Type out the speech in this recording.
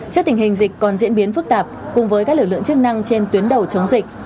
trước tình hình dịch còn diễn biến phức tạp cùng với các lực lượng chức năng trên tuyến đầu chống dịch